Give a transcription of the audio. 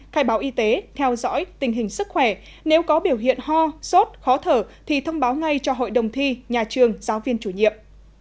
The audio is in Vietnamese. khai báo y tế theo dõi tình hình sức khỏe nếu có biểu hiện ho sốt khó thở thì thông báo ngay cho hội đồng thi nhà trường giáo viên chủ nhiệm